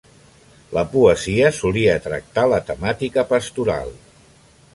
La poesia solia tractar la temàtica pastoral.